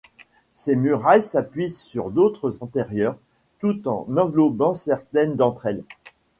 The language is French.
Ces murailles s'appuient sur d'autres antérieures, tout en englobant certaines d'entre elles.